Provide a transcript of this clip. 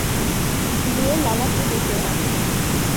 গিয়ে লালাকে ডেকে আন।